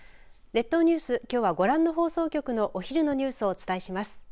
列島ニュース、きょうはご覧の放送局のお昼のニュースをお伝えします。